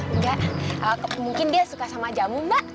enggak mungkin dia suka sama jamu mbak